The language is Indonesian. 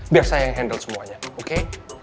biar saya yang handle semuanya oke